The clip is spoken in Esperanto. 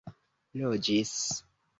loĝis